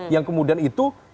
yang kemudian itu